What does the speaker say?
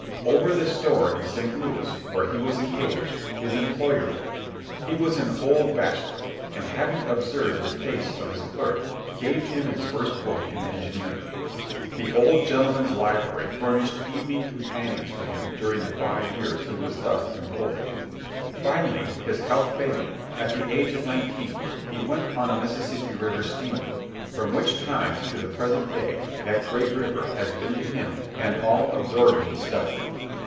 Over the store in St. Louis, where he was engaged, his employer lived. He was an old bachelor, and, having observed the tastes of his clerk, gave him his first book in engineering. The old gentleman's library furnished evening companions for him during the five years he was thus employed. Finally, his health failing, at the age of nineteen he went on a Mississippi River steamer; from which time to the present day that great river has been to him an all absorbing study.